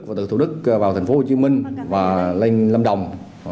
và từ thủ đức vào thành phố hồ chí minh và lên lâm đồng